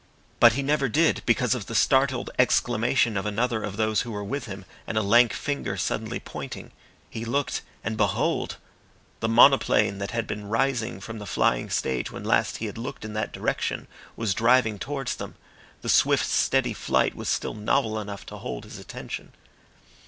But he never did, because of the startled exclamation of another of those who were with him and a lank finger suddenly pointing. He looked, and behold! the monoplane that had been rising from the flying stage when last he had looked in that direction, was driving towards them. The swift steady flight was still novel enough to hold his attention.